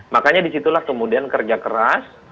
makanya disitulah kemudian kerja keras